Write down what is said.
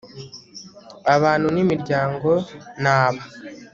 abantu n'imiryango, ni aba